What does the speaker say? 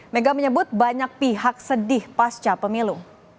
mega menyebut banyak pihak sedih pasca pemilu